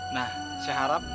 nah saya harap